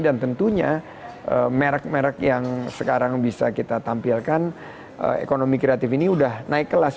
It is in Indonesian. dan tentunya merk merk yang sekarang kita bisa tampilkan ekonomi kreatif ini sudah naik kelas